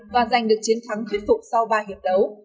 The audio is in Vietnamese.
và giành được chiến thắng thuyết phục sau ba hiệp đấu